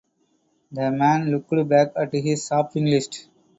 The man looked back at his shopping list.